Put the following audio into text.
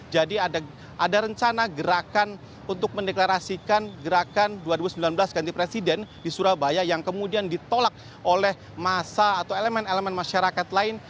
jadi ada rencana gerakan untuk mendeklarasikan gerakan dua ribu sembilan belas ganti presiden di surabaya yang kemudian ditolak oleh masa atau elemen elemen masyarakat lain